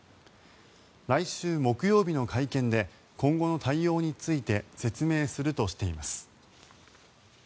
来週木曜日の会見で今後の対応について説明するとしています。